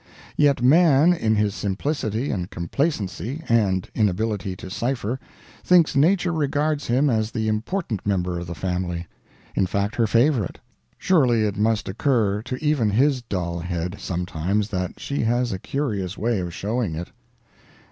Yet man, in his simplicity and complacency and inability to cipher, thinks Nature regards him as the important member of the family in fact, her favorite. Surely, it must occur to even his dull head, sometimes, that she has a curious way of showing it.